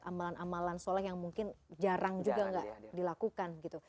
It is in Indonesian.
amalan amalan soleh yang mungkin jarang juga nggak dilakukan gitu